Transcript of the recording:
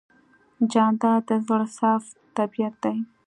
جانداد د زړه صاف طبیعت دی.